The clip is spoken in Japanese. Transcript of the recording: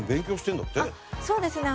そうですね。